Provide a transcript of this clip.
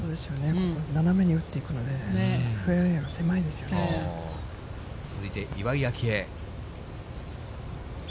ここは斜めに打ってくるので、続いて岩井明愛。